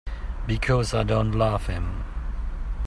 Because I don't love him.